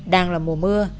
đang là mùa mưa